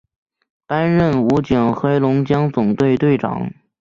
担任武警黑龙江总队队长。